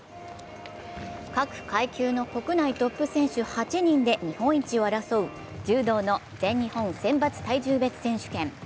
各階級の国内トップ選手８人で日本一を争う柔道の全日本選抜体重別選手権。